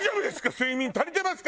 睡眠足りてますか？」